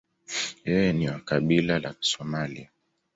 Yeye ni wa kabila la Somalia.